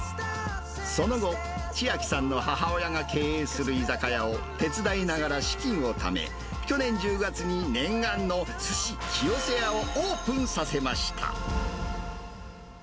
その後、千秋さんの母親が経営する居酒屋を手伝いながら資金をため、去年１０月に念願のすしきよせやをオープンさせました。